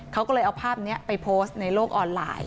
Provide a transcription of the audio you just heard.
เขาก็เลยเอาภาพนี้ไปโพสต์ในโลกออนไลน์